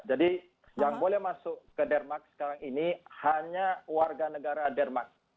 yang boleh masuk ke denmark sekarang ini hanya warga negara denmark